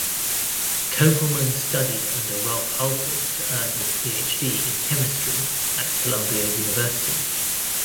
Kopelman studied under Ralph Halford to earn his PhD in Chemistry at Columbia University.